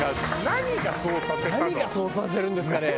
何がそうさせるんですかね？